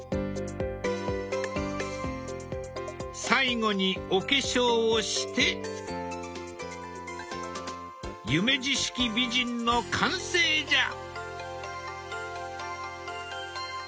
最後にお化粧をして夢二式美人の完成じゃ！